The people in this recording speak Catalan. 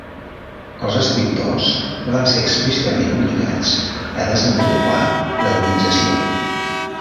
Els escriptors van ser explícitament obligats a desenvolupar l'heroïtzació.